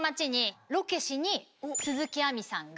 鈴木亜美さんが。